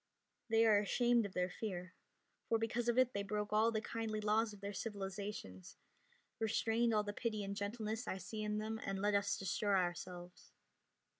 They are ashamed of their fear, for because of it they broke all the kindly laws of their civilizations, restrained all the pity and gentleness I see in them, and let us destroy ourselves.